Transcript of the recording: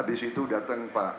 habis itu datang pak anies ke saya